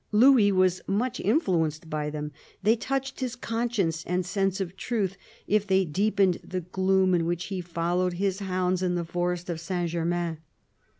Louis was much influenced by them ; they touched his conscience and sense of truth, if they deepened the gloom in which he followed his hounds in the Forest of Saint Germain.